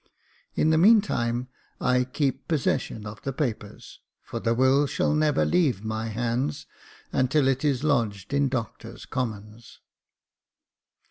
In the meantime I keep possession of the papers, for the will shall never leave my hands, until it is lodged in Doctors' Commons."